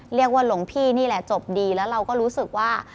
หลวงพี่นี่แหละจบดีแล้วเราก็รู้สึกว่า